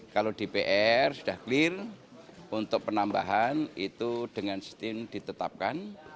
kalau dpr sudah clear untuk penambahan itu dengan stin ditetapkan